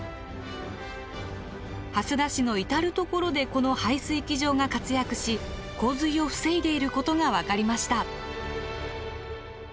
蓮田市の至る所でこの排水機場が活躍し洪水を防いでいることが分かりました。